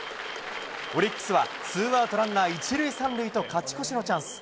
オリックスはツーアウトランナー１塁３塁と勝ち越しのチャンス。